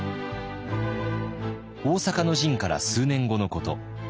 大坂の陣から数年後のこと。